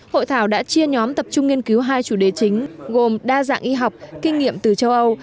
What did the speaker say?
hội thảo đã chia nhóm tập trung nghiên cứu hai chủ đề chính gồm đa dạng y học kinh nghiệm từ châu âu